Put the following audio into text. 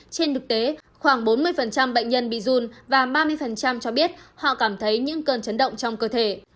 trên thực tế khoảng bốn mươi bệnh nhân bị run và ba mươi cho biết họ cảm thấy những cơn chấn động trong cơ thể